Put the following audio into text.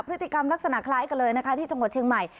พฤติกรรมลักษณะคล้ายกันเลยนะคะที่จังหวัดเชียงใหม่